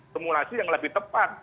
semua nasi yang lebih tepat